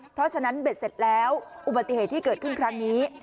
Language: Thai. เพราะฉะนั้นเบ็ดเสร็จแล้วอุบัติเหตุที่เกิดขึ้นครั้งนี้